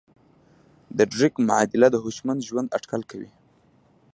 د ډریک معادله د هوشمند ژوند اټکل کوي.